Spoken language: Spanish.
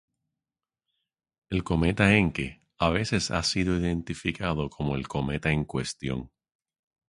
El cometa Encke a veces ha sido identificado como el cometa en cuestión.